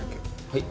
はい。